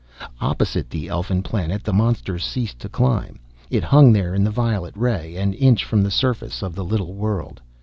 Opposite the elfin planet, the monster ceased to climb. It hung there in the violet ray, an inch from the surface of the little world.